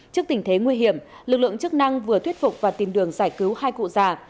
trước tình thế nguy hiểm lực lượng chức năng vừa thuyết phục và tìm đường giải cứu hai cụ già